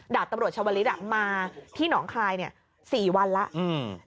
ดาบตำรวจชาวริสต์มาที่หนองคลายเนี่ย๔วันแล้ว